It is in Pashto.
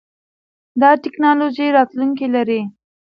دا ټکنالوژي راتلونکی لري.